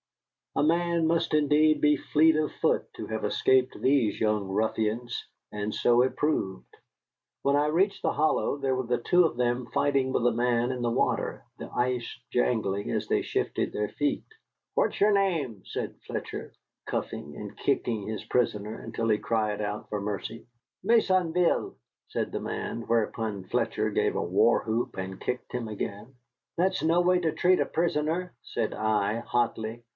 A man must indeed be fleet of foot to have escaped these young ruffians, and so it proved. When I reached the hollow there were the two of them fighting with a man in the water, the ice jangling as they shifted their feet. "What's yere name?" said Fletcher, cuffing and kicking his prisoner until he cried out for mercy. "Maisonville," said the man, whereupon Fletcher gave a war whoop and kicked him again. "That's no way to use a prisoner," said I, hotly.